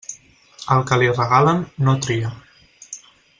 Al que li regalen, no tria.